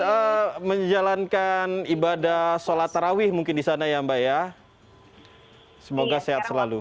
mbak anne kita menjalankan ibadah sholat taraweeh mungkin di sana ya mbak ya semoga sehat selalu